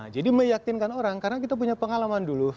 jadi meyakinkan orang karena kita punya pengalaman dulu